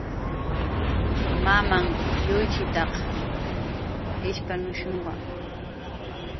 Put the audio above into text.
Mamam yuychitaq ishpanushumwa